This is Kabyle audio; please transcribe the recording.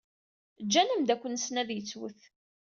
Ǧǧan ameddakel-nsen ad yettwet.